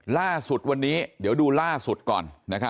ล่าสุดวันนี้เดี๋ยวดูล่าสุดก่อน